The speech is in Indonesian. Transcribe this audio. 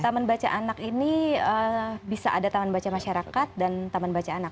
taman baca anak ini bisa ada taman baca masyarakat dan taman baca anak